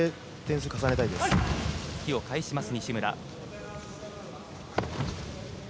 突きを返します、西村。